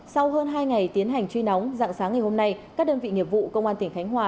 sau hơn hai ngày tiến hành truy nóng dạng sáng ngày hôm nay các đơn vị nghiệp vụ công an tỉnh khánh hòa